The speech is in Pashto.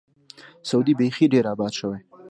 سعودي بیخي ډېر آباد شوی.